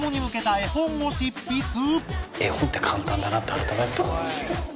絵本って簡単だなって改めて思いますよ。